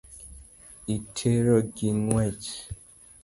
Itero gi ng'wech.